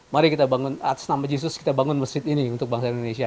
mari kita bangun atas nama yesus kita bangun masjid ini untuk bangsa indonesia